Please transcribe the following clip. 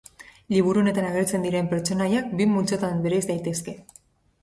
Liburu honetan agertzen diren pertsonaiak bi multzotan bereiz daitezke.